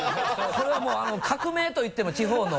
これはもう革命と言っても地方の。